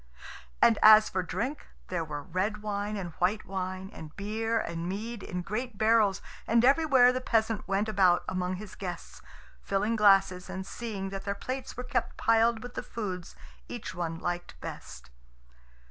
And as for drink, there were red wine and white wine, and beer and mead in great barrels, and everywhere the peasant went about among his guests, filling glasses and seeing that their plates were kept piled with the foods each one liked best.